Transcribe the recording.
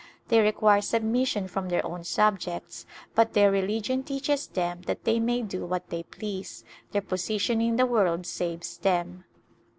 They require submission from their own subjects but their religion teaches them that they may do what they please, their position in the world saves them.